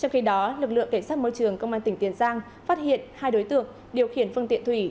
trong khi đó lực lượng cảnh sát môi trường công an tỉnh tiền giang phát hiện hai đối tượng điều khiển phương tiện thủy